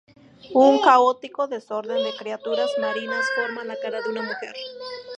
Un caótico desorden de criaturas marinas forman la cara de una mujer.